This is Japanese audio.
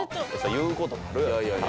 言うこともあるやろ。